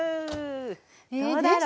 どうだろ。